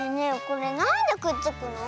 これなんでくっつくの？